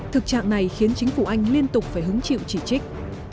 thực trạng này khiến chính phủ anh liên tục phải hứng chịu chỉ trích